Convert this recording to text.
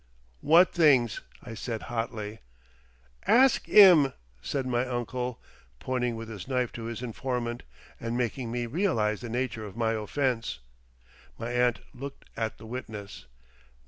"What things?" I asked hotly. "Ask 'im," said my uncle, pointing with his knife to his informant, and making me realise the nature of my offence. My aunt looked at the witness.